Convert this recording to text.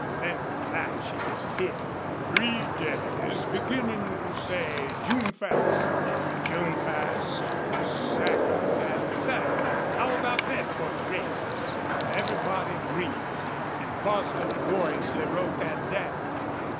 Then with a laugh she disappeared. "Three days beginnin say June first. June first second, an' third. How about thet for the races?" Everybody agreed, and Bostil laboriously wrote that down.